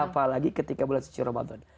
apalagi ketika bulan suci ramadan